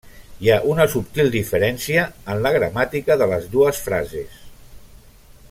Hi ha una subtil diferència en la gramàtica de les dues frases.